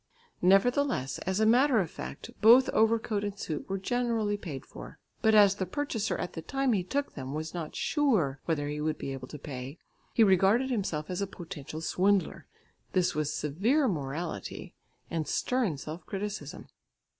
Nevertheless, as a matter of fact, both overcoat and suit were generally paid for, but as the purchaser at the time he took them was not sure whether he would be able to pay, he regarded himself as a potential swindler. This was severe morality and stern self criticism.